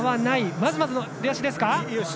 まずまずの出足です。